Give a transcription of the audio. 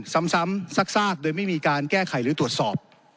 ซ้ำซากโดยไม่มีการแก้ไขหรือตรวจสอบ